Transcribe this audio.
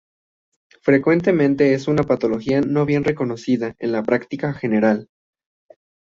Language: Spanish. Frecuentemente es una patología no bien reconocida en la práctica general.